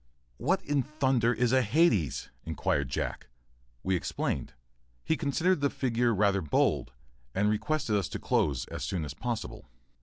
["What in thunder is hades?" inquired Jack. We explained. He considered the figure rather bold, and requested us to close as soon as possible.